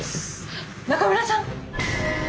中村さん！